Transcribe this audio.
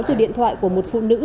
từ điện thoại của một phụ nữ